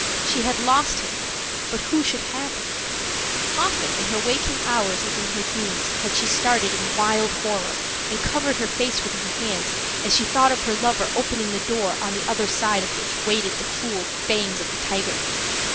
She had lost him, but who should have him? How often, in her waking hours and in her dreams, had she started in wild horror, and covered her face with her hands as she thought of her lover opening the door on the other side of which waited the cruel fangs of the tiger!